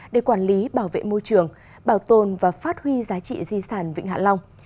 để quản lý bảo vệ môi trường bảo tồn và phát huy giá trị di sản vịnh hạ long